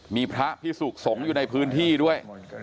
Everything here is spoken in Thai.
มีพระพิสุขสงฆ์อยู่ในพื้นที่ด้วย